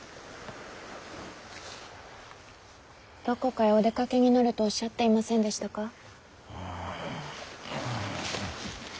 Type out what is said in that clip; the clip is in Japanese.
どこかへお出かけになるとおっしゃっていませんでしたか。